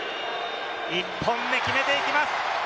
１本目、決めていきます。